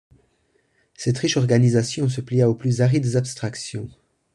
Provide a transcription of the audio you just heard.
Cette riche organisation se plia aux plus arides abstractions.